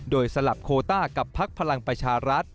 โดยสลับโคต้ากับพักพลังประชารัฐ